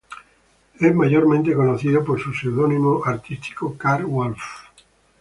Él es mayormente conocido por su seudónimo artístico Karl Wolf.